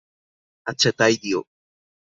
আচ্ছা, তাই দিও।